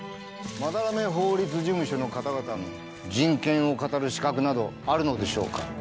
斑目法律事務所の方々に人権を語る資格などあるのでしょうか？